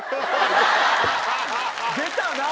出たな。